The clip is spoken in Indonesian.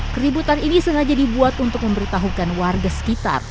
keributan ini sengaja dibuat untuk memberitahukan warga sekitar